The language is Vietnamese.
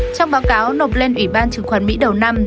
trong báo cáo nộp lên ủy ban trường khoản mỹ đầu năm